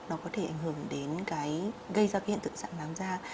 nó có thể ảnh hưởng đến gây ra hiện tượng sẵn láng da